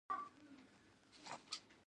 دا زموږ هڅه ده.